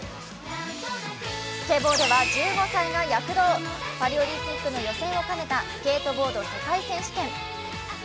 スケボーでは１５歳が躍動パリオリンピックの予選を兼ねたスケートボード世界選手権。